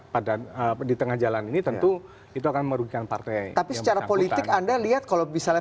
pada di tengah jalan ini tentu itu akan merugikan partai tapi secara politik anda lihat kalau misalnya